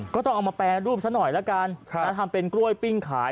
ก็ต้องเอามาแปลรูปซะหน่อยแล้วกันครับแล้วทำเป็นกล้วยปิ้งขาย